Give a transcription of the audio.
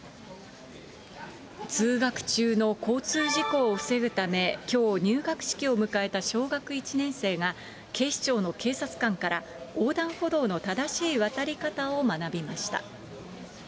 通学中の交通事故を防ぐため、きょう入学式を迎えた小学１年生が、警視庁の警察官から、横断歩道の正しい渡り方を学びました。